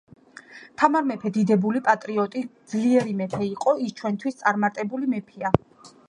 თამარ მეფე დიდებული, პატრიოტრი, ძლიერი მეფე იყო . ის ჩვენთვის წარმატებული მეფეა